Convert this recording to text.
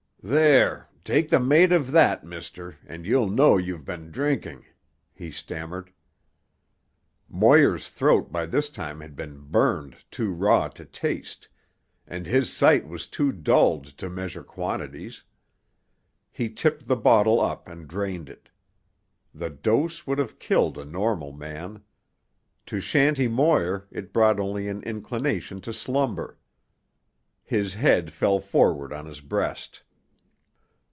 "There; take the mate of that, mister, and you'll know you been drinking," he stammered. Moir's throat by this time had been burned too raw to taste, and his sight was too dulled to measure quantities. He tipped the bottle up and drained it. The dose would have killed a normal man. To Shanty Moir it brought only an inclination to slumber. His head fell forward on his breast.